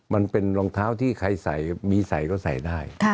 มันเป็นรองเท้าที่ใครใส่มีใส่ก็ใส่ได้